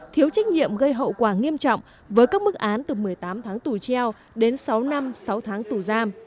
thiếu trách nhiệm gây hậu quả nghiêm trọng với các mức án từ một mươi tám tháng tù treo đến sáu năm sáu tháng tù giam